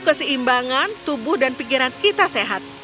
keseimbangan tubuh dan pikiran kita sehat